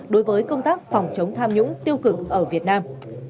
đối với công tác phòng chống tham nhũng tiêu cực ở việt nam